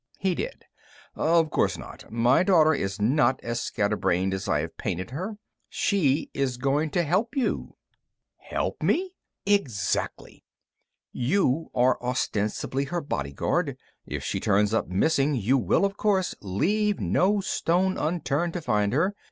He did. "Of course not. My daughter is not as scatterbrained as I have painted her. She is going to help you." "Help me?" "Exactly. You are ostensibly her bodyguard. If she turns up missing, you will, of course, leave no stone unturned to find her."